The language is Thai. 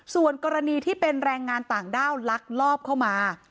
ส่วนกรณีที่เป็นแรงงานต่างด้าวลักลอบเข้ามา